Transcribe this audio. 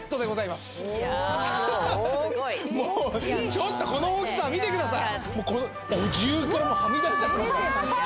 ちょっとこの大きさ見てください。